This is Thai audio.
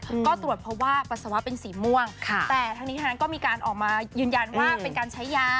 อืมก็ตรวจเพราะว่าปัสสาวะเป็นสีม่วงค่ะแต่ทั้งนี้ทั้งนั้นก็มีการออกมายืนยันว่าเป็นการใช้ยา